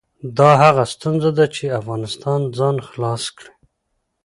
دا هغه ستونزه ده چې افغانستان ځان خلاص کړي.